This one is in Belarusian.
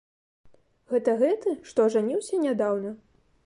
Гэта гэты, што ажаніўся нядаўна?